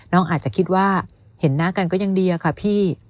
น้องอาจจะคิดว่าเห็นหน้ากันก็ยังดีอะค่ะพี่